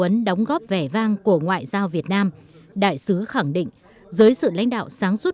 ấn đóng góp vẻ vang của ngoại giao việt nam đại sứ khẳng định dưới sự lãnh đạo sáng suốt